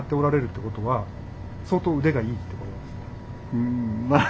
うんまあ。